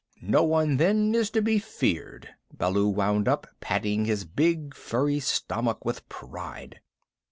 "No one then is to be feared," Baloo wound up, patting his big furry stomach with pride.